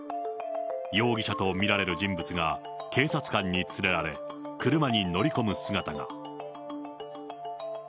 容疑者と見られる人物が警察官に連れられ、車に乗り込む姿が。